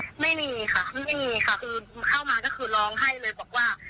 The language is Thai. ไม่มีค่ะไม่มีค่ะคือเข้ามาก็คือร้องไห้เลยบอกว่า